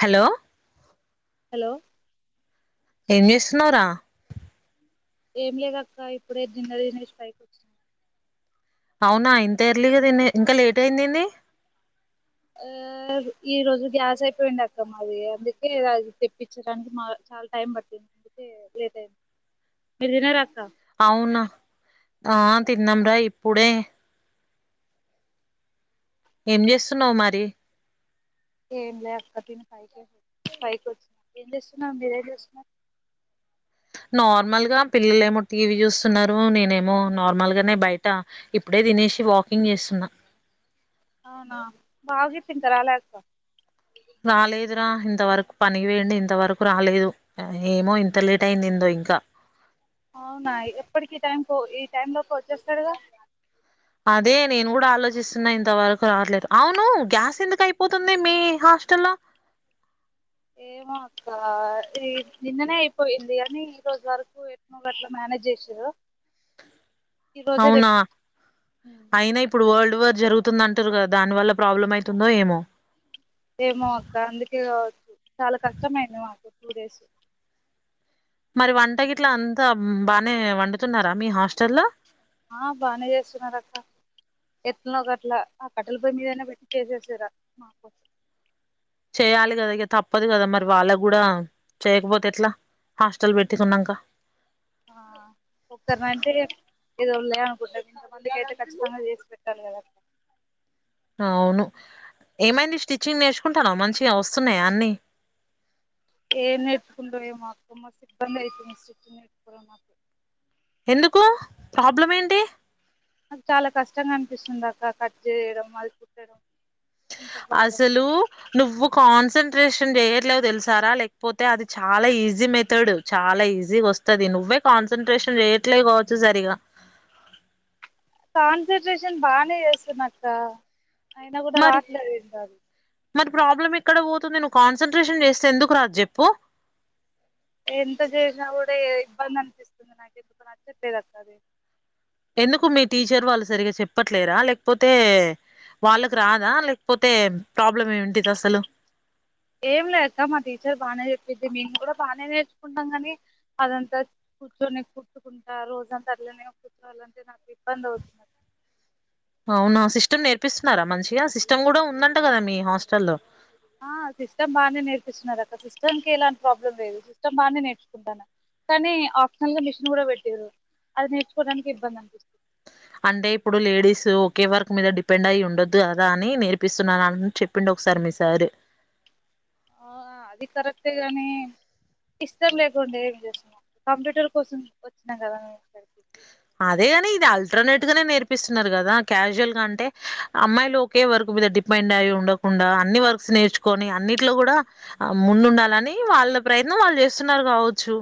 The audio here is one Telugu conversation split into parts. హలో హలో ఏం చేస్తునావ్ రా ఏం లేదక్క ఇప్పుడే డిన్నర్ చేసి పైకి వచ్చిన అవునా ఇంతఎర్లీ గా తిని ఇంకా లేట్ అయిందిడి ఆ ఈ రోజు గ్యాస్ అయిపోయింది అక్క మది అందుకే అది తెప్పించడానికి మా చాలా టైం పట్టింది అందుకే లేట్ అయింది మీరు తినరా అక్క అవున ఆ తిన్నం రా ఇపుడే ఏం చేస్తున్నావు మరి ఏం లే అక్క తిను ఫైవ ఫైవ్కి వచ్చనా ఏం చేస్తున్నా మీరేం చేస్తున్నారు నార్మల్ గా పిల్లలు ఏమో టీవీ చూస్తున్నారు నేనేమో నార్మల్ గానే బయట ఇప్పుడే తినిసి వాకింగ్ చేస్తున్నా అవునా ప్రాజెక్ట్ ఇంకా రల అక్క రాలేదు ర ఇంత వరకు పనికి పోయిండు ఇంత వరకు రాలేదు ఏమో ఇంత లేట్ అయిందిందో ఇంకా అవునా ఎప్పటికిీ టైం ఈ టైమ్ లోపు వచ్చేస్తాడుగా అదే నేను కూడా ఆలోచిస్తున్నా ఇంతవరకు రావట్లేదు అవును గ్యాస్ ఎందుకు అయిపోతుంది మీ హోస్ట్ స్టెల్లో ఏమో అక్క ఈ నిన్ననే అయిపోయింది గాని ఈ రోజు వరకు ఏట్లో గట్లా మేనే మేనేజ్ చేసిరూ అవునా అయినా ఇప్పుడు వల్డ్ డు వార్ జరుగుతుందంటురు కదా దాని వల్ల ప్రాబ్లం అయితుందో ఏమో ఏమో అక్క అందుకే కావచ్చు చాలా కష్టమైంది మాకు టూ డేస్ మరి వంటగిట్లా అంతా బానే వండుతున్నారా మీ హాస్టల్లో ఆ బానే చేస్తున్నారు అక్క ఎట్లో గట్లా ఆ కట్టల పొయ్యి మీదయినా పెట్టి చేసేసారు మా కోసం చెయ్యాలి కదా ఇక తప్పదు కదా మరి వాళ్ళ గూడా చేయకపోతే ఎట్లా హాస్టల్ పెట్టికున్నాంక ఆ ఒకరిని అంతే ఏదో లే గుడ్డ ఇంత మందికి అయితే కఖచ్చితంగా చేసి పెట్టాలి కదా అట్లా అవును ఏమైంది స్టిచ్చింగ్ నేర్చుకుంటున్నావా మంచిగా వస్తున్నాయా అన్నీ ఏం నేర్చకుండో ఏమో అక్క మస్త్ ఇబ్బంది అవుతుంది ఎందుకు ప్రాబ్లం ఏంటి నాకు చాలా కష్టంగా అనిపిస్తుంది అక్క కట్ చేయడం అది కుట్టడం అంత బాగా అసలు నువ్వు కాన్సంట్రేష్ నేన్ చేయట్లేదు తెలుసారా లేకపోతే అది చాలా ఈజీ మెథడ్ చాలా ఈజీ వస్తది నువ్వే కాన్ కాన్సన్ట్రేషన్ చెయట్లే కావచ్చు సరిగా కాన్సన్ట్రేషన్ బానే చేస్తున్నాక్క అయినా కూడా మరి రాట్లేదు మరి ప్రాబ్లం ఎక్కడ పోతుంది నువ్వు కాన్సన్ట్రేషన్ చేస్తే ఎందుకు రాదు చెప్పు ఎంత చేసినా కూడా ఏ ఇబ్బంది అనిపిస్తుంది నాకు ఎందుకో నచ్చట్లేదు అక్క అది ఎందుకు మీ టీచర్ వాళ్ళు సరిగా చెప్పట్లేరా లేకపోతే వాళ్ళకి రాదా లేకపోతే ప్రాబ్లం ఏమిటిది అసలు ఏం లే అక్క మా టీచర్ బానే చెప్పిద్ది మేము కూడా బానే నేర్చుకుంటాం కానీ అదంతా కూర్చొని కూర్చుకుంట రోజంత అట్లనే కూర్చోవాలంటే నాకు ఇబ్బంది అవుతుంది అవునా సిస్టమ్ నేర్పిస్తున్నారా మంచిగా సిస్టమ్ కూడా ఉందంట కదా మీ హాస్టల్లో ఆ సిస్టమ్ బానే నేర్పిస్తున్నారు అక్క సిస్టమ్ కి ఎలాంటి ప్రాబ్లం లేదు సిస్టమ్ బాగానే నేర్చుకుంటాను కానీ ఆప్షనల్ గా మిషన్ కూడా పెట్టిరు అది నేర్చుకోవడానికి ఇబ్బంది అనిపిస్తుంది అంటే ఇప్పుడు లేడీస్ ఒకే వరకు మీద డిపెండ్ అయ్యి ఉండొద్దు కదా అని నేర్పిస్తున్నాను అని చెప్పిండు ఒక సారి మీ సారు ఆ అది కరెక్టే గాని ఇష్టం లేకుండే ఏమి చేస్తాం కంప్యూటర్ కోసం వచ్చినాం కదా అదే గాని ఇది అల్టర్నేట్ గానే నేర్పిస్తున్నారు కదా క్యాజువల్ గా అంటే అమ్మాయిలు ఒకే వర్క్ మీద డిపెండ్ అయ్యి ఉండకుండా అన్ని వర్క్స్ నేర్చుకొని అన్నిట్లో గూడా ముందుండాలని వాళ్ళ ప్రయత్నం వాళ్ళు చేస్తున్నారు గావచ్చు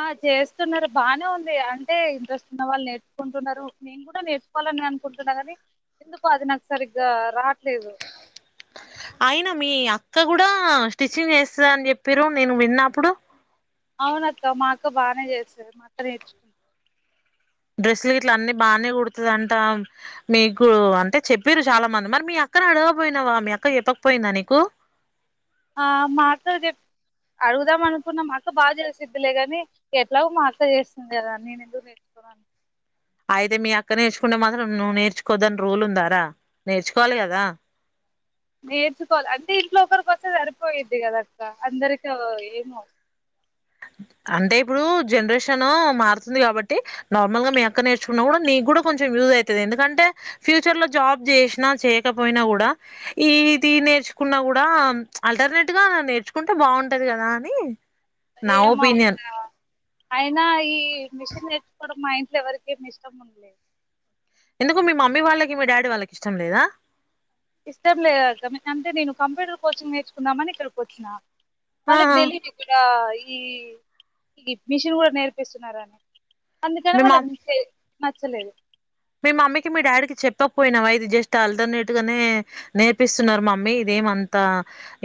ఆ చేస్తున్నారు బానే ఉంది అంటే ఇంట్రెస్ట్ ఉన్న వాళ్ళు నేర్చుకుంటున్నారు నేను కూడా నేర్చుకోవాలని అనుకుంటున్నా కుంటున్నా గానీ ఎందుకో అది నాకు సారిగా రా అయినా మీ అ అక్క గూడా స్టిచ్చింగ్ చేస్తదని చెప్పిరు నేను విన్న అప్పుడు అవునక్క మా అక్క బానే చేస్తది మా అక్క నేర్చుకు డ్రెస్లు ఇట్లా అన్నీ బానే కుడుతదంటా మీకు అంటే చెప్పిరు చాలా మంది మరి మీ అక్క ని అడగ క పోయినావా మీ అక్క చెప్పకపోయిందా నీకు ఆ మా అక్కకి చెప్ అడుగుదాం అనుకున్న మా అక్క బాగా చేసిద్లే గాని ఎట్లాగో మా అక్క చేస్తంది కదా నేను ఎందుకులే అయితే మీ అక్క నేర్చుకుంటే మాత్రం నువ్వు నేర్చుకోవద్దని రూల్ ఉందారా నేర్చుకోవాలి కదా నేర్చుకోవాలి అంటే ఇంట్లో ఒకరికి వస్తే సరిపోయిద్ది కదక్క అందరికి ఏమో అంటే ఇప్పుడు జనరేషన్ మారుతుంది కాబట్టి నార్మల్ గా మీ అక్క నేర్చుకున్నా కూడా నీకు కూడా కొంచెం యూజ్ అయితది ఎందుకంటే ఫ్యూచర్ లో జాబ్ చేసిన చేయకపోయినా కూడా ఇది నేర్చు కున్నా కూడా ఆల్టర్నేట్ గా నేర్చుకుంటే బాగుంటది కదా అని నా ఎమో అక్క ఒపీనియన్. అయినా ఈ మిషన్ నేర్చుకోవడం మా ఇంట్లో ఎవరికేమి ఇష్టం ఉండలేదు ఎందుకు మీ మమ్మీ వాళ్ళకి మీ డాడీ వాళ్ళకి ఇష్టం లేదా ఇష్టం లేదు అక్క అంటే నేను కంప్యూటర్ కోచింగ్ నేర్చుకుందామని ఇక్కడికికొచ్చిన ఆ! వాళ్ళకి తెలియదు ఇక్కడ ఈ ఈ మిషన్ కూడా నేర్పిస్తున్నారని అందుకనే మీ మా వాళ్ళకు [unintelligible] నచ్చలేదు మీ మమ్మీకి మీ డాడీకి చెప్పకపోయినవా ఇది జస్ట్ ఆల్టర్నేట్ గానే నేర్పిస్తున్నారు మమ్మీ ఇది ఏమి అంత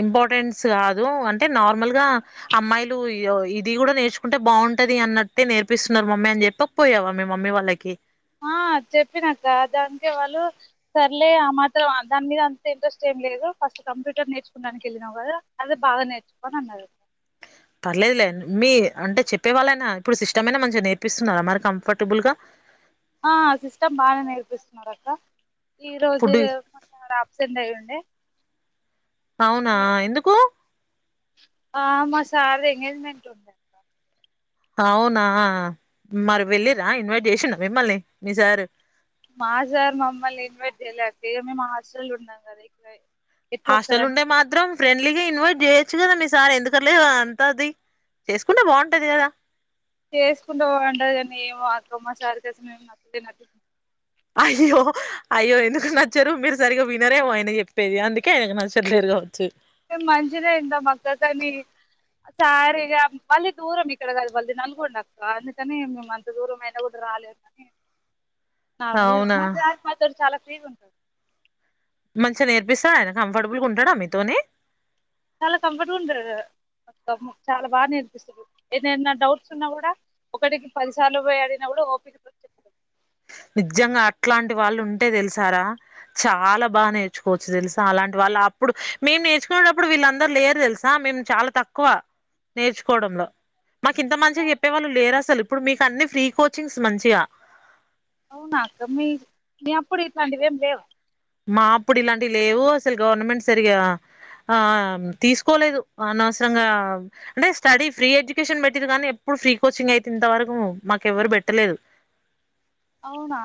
ఇంపార్టెన్స్ కాదు అంటే నార్మల్ గా అమ్మాయిలు ఇది కూడా నేర్చుకుంటే బాగుంటది అన్నట్టే నేర్పిస్తున్నారు మమ్మీ అని చెప్పకపోయావా మీ మమ్మీ వాళ్ళకి ఆ చెప్పినక్క దానికే వాళ్ళు సర్లే ఆ మాత్రం దాని మీద అంత ఇంట్రెస్ట్ ఏం లేదు ఫస్ట్ కంప్యూటర్ నేర్చుకోడానికి వెళ్లినావు కదా అదే బాగా నేర్చుకో అని అన్నారు పర్లేదులే మీ అంటే చెప్పే వాళ్ళైనా ఇప్పుడు సిస్టమ్ అయినా మంచిగా నేర్పిస్తున్నారా మరి కంఫర్టబుల్ గా ఆ సిస్టమ్ బాగా నేర్పిస్తున్నారు అక్క ఈ రోజు ఫుడ్ రేపు అబ్సెంట్ అయ్యండే అవునా ఎందుకు సార్ ది ఎంగేజ్మెంట్ ఉంది అక్క అవునా మరి వెళ్ళిర్ర ఇన్వైట్ చేసిండ మిమ్మల్ని మీ సారు మా సార్ మమ్మల్ని ఇన్వైట్ చేయల మేమే మా హాస్టల్ ఉన్నాం కదా ఇక్కడ ఎట్లా హాస్టల్ వస్తారని ఉండే మాత్రం ఫ్రెండ్లీగా ఇన్వైట్ చేయొచ్చు వచ్చు కదా మీ సారి ఎందుకుర్లేదు అంత అది చేసుకుంటే బాగుంటది కదా చేసుకుంటే ఉండదు కానీ ఏమో అమ్ మా సారి చేస మేము నచ్చ నం [unintelligible] అయ్యో అయ్యో ఎందుకు నచ్చరు మీరు సరిగా వినరేమో ఆయన చెప్పేది అందుకే ఆయనకు నచ్చటులేరుగా మేము మంచిగ నే వింటము అక్క కానీ సార్ ఇగ మళ్ళీ దూరం ఇక్కడ కాదు వాల్ది నల్గొండక్క అందుకని మేము అంత దూరం అయిన కూడా మా అవునా మా తడు చాలా ఫ్రీగా ఉంటంది [unintelligible] మంచిగా నేర్పిస్తాడ ఆయన కంఫర్టబుల్ గా ఉంటాడా మీతోనే చాలా కంఫట్ గా ఉంటరు మొత్తము చాలా బాగా నేర్పిస్తరు ఏదన్న డౌట్స్ ఉన్నా గూడా ఒకటికి పదిసార్లు పోయి ఆడినప్పుడు ఓపికతో చొప్ [inaudible] నిజంగా అట్లాంటి వాళ్ళు ఉంటే తెలుసా రా చాలా బాగా నేర్చుకోచ్చు తెలుసా అలాంటి వాళ్ అలా అప్పుడు మేము నేర్చుకునేటప్పుడు వీళ్ళందరూ లేరు తెలుసా మేము చాలా తక్కువ. నేర్చుకోవడంలో మాకు ఇంత మంచిగా చెప్పేవాళ్ళు లేరు అసలు ఇప్పుడు మీకు అన్ని ఫ్రీ కోచింగ్స్ మంచిగా. అవునా అక్క మీ మీ అప్పుడు ఇట్లాంటివేం లేవా. మాప్పుడు ఇలాంటివి లేవు అసలు గవర్నమెంట్ సరిగా ఆ తీసుకోలేదు అనవసరంగా అంటే స్టడీ ఫ్రీ ఎడ్యుకేషన్ పెట్టిది కానీ ఎప్ ప్ ఫ్రీ కోచింగ్ అయితే ఇంత వరకు మాకెవ్వరు పెట్టలేదు. అవునా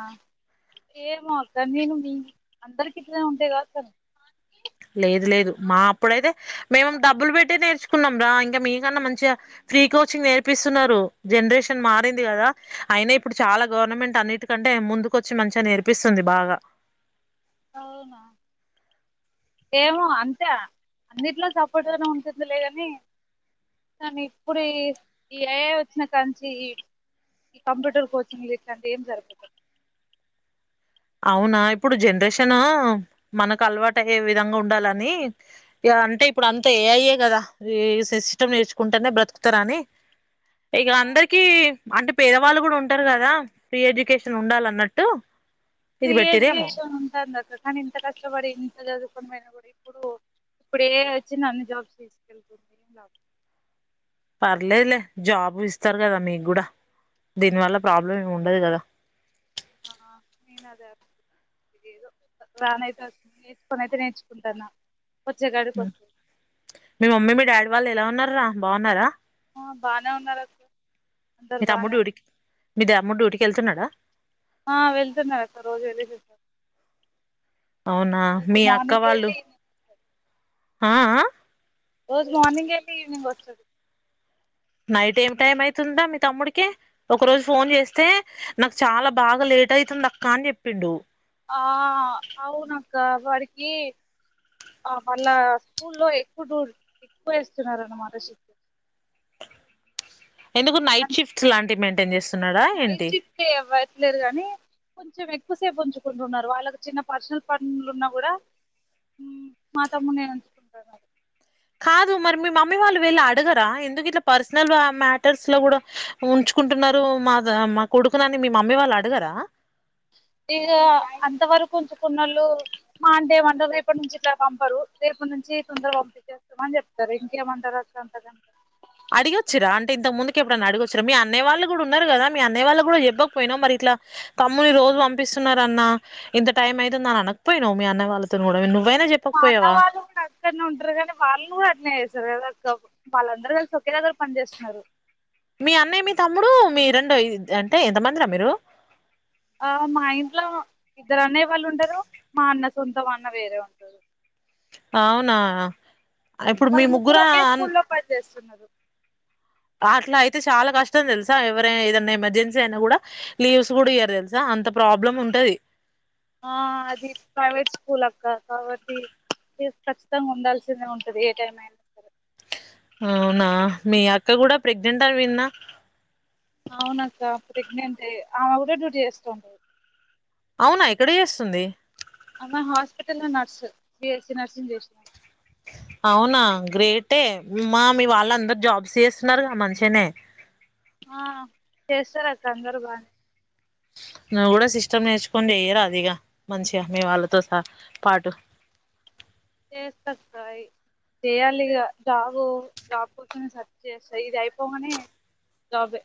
ఏమో అక్క నేను మీ అందరుకి ఇట్లే ఉంటాయ్ కావొచ్చు అన్ లేదు లేదు మా అప్పుడైతే మేము డబ్బులు పెట్టి నేర్చుకున్నాం రా ఇంకా మీకన్నా మంచిగా. ఫ్రీ కోచింగ్ నేర్పిస్తున్నారు జనరేషన్ మారింది కదా అయినా ఇప్పుడు చాలా గవర్నమెంట్ అన్నిటికన్ టే ముందుకొచ్చి మంచిగా నేర్పిస్తుంది బాగా అవునా ఏమో అంతే అన్నిట్లో సపోర్ట్గానే ఉంటుంది లేగాని. కానీ ఇప్పుడు ఈ ఈ ఇ ఏఐ వచ్చినా కానుంచి ఈ ఈ కంప్యూటర్ కోచింగ్లు ఇట్లాటివి ఎమ్ జరుగుతలా. అవునా ఇప్పుడు జనరేషనను మనకు అలవాటయ్యే విధంగా ఉండాలని ఇగ అంటే ఇప్పుడు అంత ఏఐ య్యే కదా ఈ సిస్టమ్ నేర్చుకుంటేనే బ్రతుకుతారని. ఆ ఇగా అందరికీ అంటే పేదవాళ్ళు కూడా ఉంటారు కదా ఫ్రీ ఎడ్యుకేషన్ ఉండాలన్నట్టు. ఇది ఫ్రీ పెట్టిరేమో ఎడ్యుకేషన్ ఉంటాందక్క కానీ ఇంత కష్టపడి ఇంత చదువుకుని పోయినా కూడా ఇప్పుడు. ఇప్పుడు ఏఐ వచ్చింది అన్ని జాబ్స్ తీసుకెళ్తుంది పర్లేదులే జాబు ఇస్తారు కదా మీకు కూడా దీని వల్ల ప్రాబ్లం ఏమి ఉండదు కదా ఆ నేన్ అదే అనుకు ఏదో రానైతే వచ్చింది నేర్చుకొని అయితే నేర్చుకుంటాన్నా. ఉ మీ మమ్మీ మీ డాడీ వాళ్ళు ఎలా ఉన్నారా బాగున్నారా. ఉ బాగానే ఉన్నారు అక్ మీ తమ్ముడు డ్యూట్కి మీ తమ్ముడు డ్యూటీకి వెళ్తున్నాడా. ఆ వెళ్తున్నాడక్క రోజు వెళ్ళసి వస్తాడు అవునా మీ అక్క మార్నింగ్ వాళ్ళు వెళ్ళి హ ఆ రోజు మార్నింగ్ వెళ్ళి ఈవినింగ్ వస్తది నైట్ ఎమ్ టైమ్ అయితుందా మీ తమ్ముడికి ఒక రోజు ఫోన్ చేస్తే నాకు చాలా బాగా లే లేట్ అయితుంది అక్కా అని చెప్పిండు ఆ అవునక్క వాడికి ఆ మళ్ళా స్కూల్లో ఎక్కు డూర్ ఎక్కువ వేస్తున్నారనమాట షిఫ్టిం ఎందుకు నైట్ అంటే షీఫ్ట్ లాంటివి మెయింటైన్ చేస్త్ నైట్ షిఫ్టే ఎవత్ లేదు గానీ కొంచెం ఎక్కువసేపు ఉంచుకుంటున్నారు వాళ్ళకి చిన్న పర్సనల్ పండ్లు ఉన్నా గుడా ఉ మా తమ్మున్నే ఉంచుకుంటున్నారు. కాదు మరి మీ మమ్మీ వాళ్ళు వెళ్ళి అడగరా ఎందుకు ఇట్లా పర్సనల్ మ్యాటర్స్ లో కూడా ఉంచ్ కుంటున్నారు మా మా కొడుకునని మీ మమ్మీ వాళ్ళు అడగరా. ఇక అంతవరకు ఉంచుకున్నళ్ళు మాండే మండ రేపటి నుంచి ఇట్లా పంపరు రేప్ ఇప్ప నుంచి తొందరగా పంపి చేస్తామని చెప్తారు ఇంకేమంటారు అంతగా. అడిగొచ్చరా అంటే ఇంత ముందుకి ఎప్పుడైనా అడిగొచ్చరా, మీ అన్నయ వాళ్ళు కూడా ఉన్నారు కదా మీ అన్నయ వాళ్ళు కూడా చెవ్వకపోయినా మరి ఇట్ల్ ఇలా తమ్ముని రోజు పంపిస్తున్నార అన్న ఇంత టైమ్ అయితుంది అని అనకపోయినా మీ అన్న వాళ్ళతో కూడా నువ్ మా అన్నవాళ్ళు కూడా అక్కడనే ఉంటారు కానీ వాళ్ళు కూడా అట్లానే రే వాళ్ళందరూ కలిసి ఒకే దగ్గర పని చేస్తున్నారు మీ అన్నయ్య మీ తమ్ముడు మీ రెండు అంటే ఎంతమందిరా మీరు ఆ మా ఇంట్లో ఇద్దరు అన్నయా వాళ్ళు ఉంటారు మా అన్న సొంతం అన్న వేరే ఉంటారు అవునా ఇప్పుడు మీ వాళ్ళు ముగ్గుర ముగ్గురు ఒకే అన్ స్కూల్లో పని చేస్తున్నారు అట్లా అయితే చాలా కష్టం తెలుసా ఎవరైనా ఏదైనా ఎమర్జెన్సీ అయినా కూడా లీవ్స్ కూడా ఇయ్యరు తెలుసా అంత ప్రాబ్లం ఉంటది ఆ అది ప్రైవేట్ స్కూల్ అక్క కాబట్టి ఖచ్చితంగా ఉండాల్సిందే ఉంటది ఏ టైం అయినా సరే అవునా మీ అక్క కూడా ప్రెగ్నెంట్ అని విన్న అవునక్క ప్రెగ్నెంట్ ఆమె కూడా డ్యూటీ చేస్తుండంది అవునా ఇక్కడే చేస్తుంది అమ్మా హాస్పిటల్ లో నర్స్ బిఎస్సి నర్సింగ్ చేసినా అవునా గ్రేటే మా మీ వాళ్ళ అందరు జాబ్స్ చేస్తున్నారు గా మంచిగానే ఆ చేస్తారు అక్క అందరూ బాగా నువ్వు కూడా సిస్టమ్ నేర్చుకోని చేయ్యరా ఇగా మంచిగా మీ వాళ్ళతో స పాటు [inaudible] చేయాలి ఇగ జాబ్ జాబ్ కోసమే సర్చ్ చేస్తయి ఇది అయిపోగానే తవే